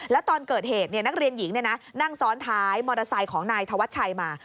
แล้วตอนเกิดเหตุนักเรียนหญิงนั่งซ้อนท้ายมอเตอร์ไซค์ของนายธวัชชัยมา